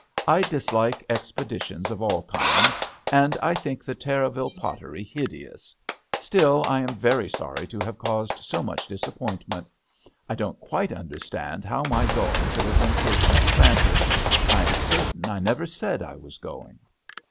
I dislike expeditions of all kinds, and I think the Terraville pottery ^2 THE h6tEL D'aNGLETERRE. hideous ; still, I am very sorry to have caused so much disappoint ment. I don't quite understand how my going should have been taken for granted. I am certain I never said I was going."